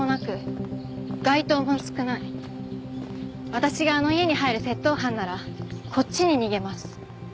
私があの家に入る窃盗犯ならこっちに逃げます。